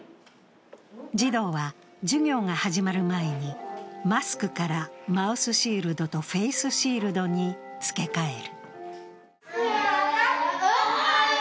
児童は授業が始まる前にマスクからマウスシールドとフェイスシールドに着け替える。